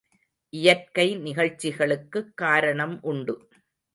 இயற்கை நிகழ்ச்சிகளுக்குக் காரணம் உண்டு.